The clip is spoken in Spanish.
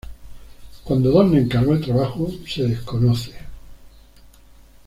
Cuándo Donne encargó el trabajo se desconoce.